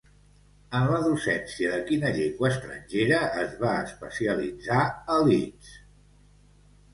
En la docència de quina llengua estrangera es va especialitzar a Leeds?